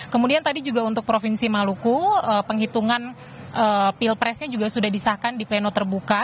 kemudian tadi juga untuk provinsi maluku penghitungan pilpresnya juga sudah disahkan di pleno terbuka